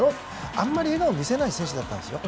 あまり笑顔を見せない選手だったんですよ。